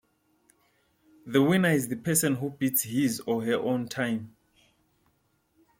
The winner is the person who beats his or her own time.